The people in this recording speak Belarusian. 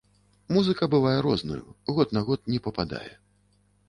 Музыка бывае рознаю, год на год не пападае.